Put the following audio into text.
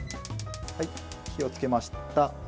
火をつけました。